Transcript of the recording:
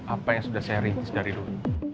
apa yang sudah saya rilis dari dulu